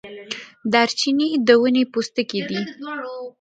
دارچینی د ونې پوستکی دی